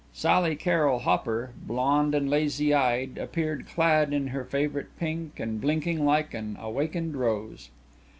Sally Carrol Hopper, blonde and lazy eyed, appeared clad in her favorite pink and blinking like an awakened rose.